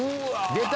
出た！